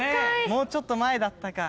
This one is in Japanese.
もうちょっと前だったか。